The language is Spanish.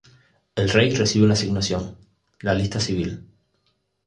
El Rey recibe una asignación: la lista civil.